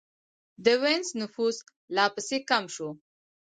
د وینز نفوس لا پسې کم شو